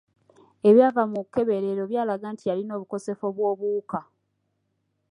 Ebyava mu kkeberero byalaga nti yalina obukosefu bw'obuwuka.